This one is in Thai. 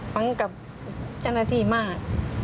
ฟังกับเจ้าหน้าที่มาก